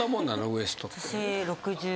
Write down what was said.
ウエストって。